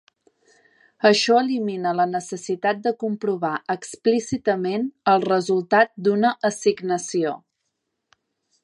Això elimina la necessitat de comprovar explícitament el resultat d'una assignació.